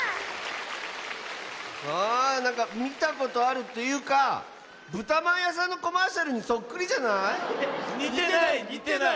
あなんかみたことあるというかぶたまんやさんのコマーシャルにそっくりじゃない？にてないにてない！